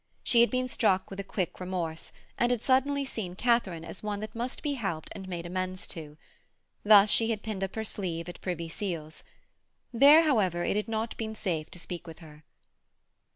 She had been struck with a quick remorse, and had suddenly seen Katharine as one that must be helped and made amends to. Thus she had pinned up her sleeve at Privy Seal's. There, however, it had not been safe to speak with her.